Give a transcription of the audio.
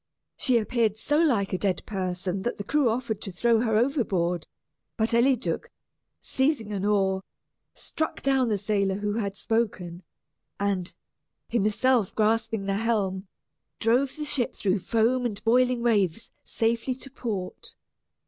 She appeared so like a dead person that the crew offered to throw her overboard, but Eliduc, seizing an oar, struck down the sailor who had spoken, and, himself grasping the helm, drove the ship through foam and boiling waves safely to port.